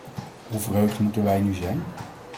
Hoe verheugd moeten wij nu zijn?